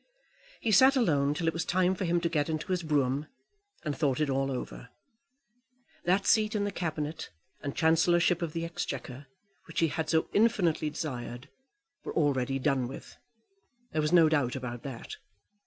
He sat alone till it was time for him to get into his brougham, and thought it all over. That seat in the Cabinet and Chancellorship of the Exchequer, which he had so infinitely desired, were already done with. There was no doubt about that.